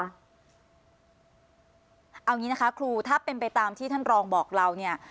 เอาอย่างนี้นะคะครูถ้าเป็นไปตามที่ท่านรองบอกเราเนี่ย